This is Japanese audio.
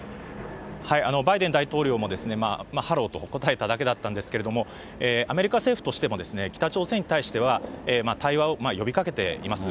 バイデン大統領もハローと答えただけだったんですけども、アメリカ政府としても、北朝鮮に対しては対話を呼びかけています。